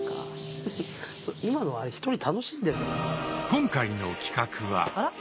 今回の企画は。